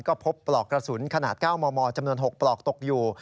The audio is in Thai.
ก็พบปลอกกระสุนขนาด๙มมจำนวน๖ปลอกตกอยู่